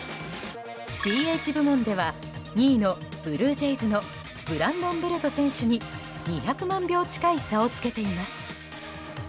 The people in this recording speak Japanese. ＤＨ部門では２位のブルージェイズのブランドン・ベルト選手に２００万票近い差をつけています。